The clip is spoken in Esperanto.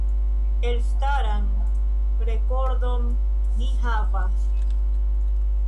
Elstaran rekordon ni havas.